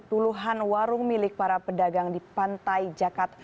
duluhan warung milik para pedagang di pantai jakat